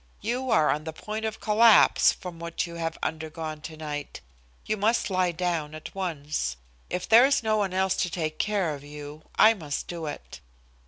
You are on the point of collapse from what you have undergone tonight. You must lie down at once. If there is no one else to take care of you, I must do it."